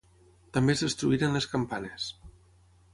També es destruïren les campanes.